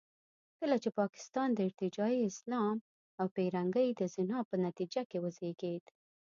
کله چې پاکستان د ارتجاعي اسلام او پیرنګۍ د زنا په نتیجه کې وزېږېد.